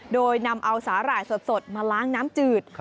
โดยนำเอาสาหร่ายสดมาล้างน้ำจืด